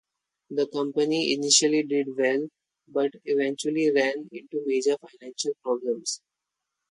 The company initially did well, but eventually ran into major financial problems.